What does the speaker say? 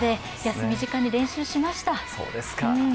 休み時間に練習しました。